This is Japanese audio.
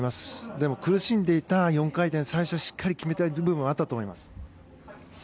でも、苦しんでいた４回転最初、しっかり決めたい部分はあったと思います。